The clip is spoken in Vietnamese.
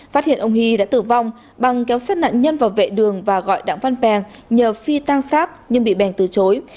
phát hiện ông hy đã tử vong bằng kéo sát nạn nhân vào vệ đường và gọi đặng văn pèng nhờ phi tang sát nhưng bị bèn từ chối